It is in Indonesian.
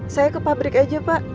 saya ke pabrik aja pak